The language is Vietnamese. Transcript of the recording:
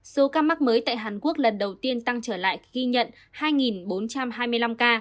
số ca mắc mới tại hàn quốc lần đầu tiên tăng trở lại ghi nhận hai bốn trăm hai mươi năm ca